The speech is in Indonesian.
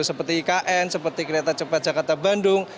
seperti ikn seperti kereta cepat jakarta bandung